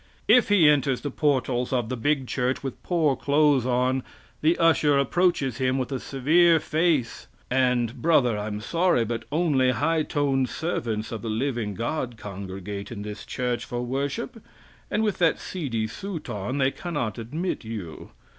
If he enters the portals of the big church with poor clothes on, the usher approaches him with a severe face, and "Brother, I'm sorry, but only high toned servants of the living God congregate in this church for worship, and with that seedy suit on they cannot admit you.